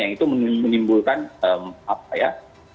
yang itu menimbulkan apa ya